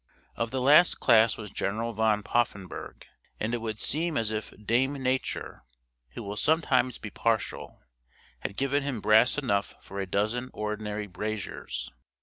Of the last class was General Van Poffenburgh, and it would seem as if Dame Nature, who will sometimes be partial, had given him brass enough for a dozen ordinary braziers.